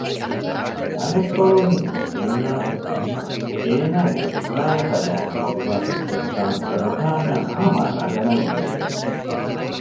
އަނެއްކޮޅުން އިއުނާސްއަކީ އޭނާގެ ފުރާނަފަދައިން ލޯބިވާ ކުއްޖެއްކަން ރުކާންއަށް ހަމަ ރަނގަޅަށް އެނގޭނެ